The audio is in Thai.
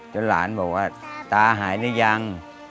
จนหลานบอกว่าตาหายแล้วยัง